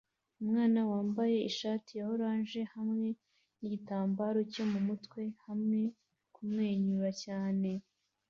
Umwana wambaye ishati ya orange hamwe nigitambara cyo mumutwe hamwe kumwenyura cyane